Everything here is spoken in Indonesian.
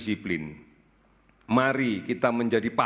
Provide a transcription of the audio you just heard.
rjm enggak semua orang lain yang sehat